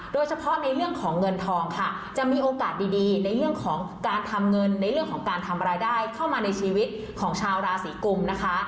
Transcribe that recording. โดยเฉพาะในเรื่องของเงินทองค่ะจะมีโอกาสดีในเรื่องของการทำเงินในเรื่องของการทำรายได้เข้ามาในชีวิตของชาวราศีกุมนะคะ